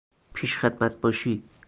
پیش خدمت باشی